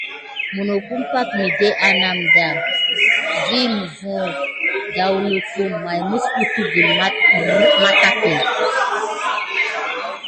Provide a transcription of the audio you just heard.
Minokum pay midé anakuda vi nevoyi dakulum misbukine kurum mantaki.